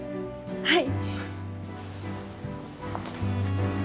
はい！